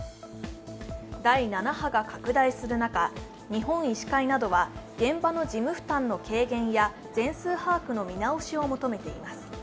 第７波が拡大する中、日本医師会などは現場の事務負担の軽減や全数把握の見直しを求めています。